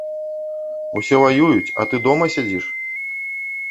Усе ваююць, а ты дома сядзіш?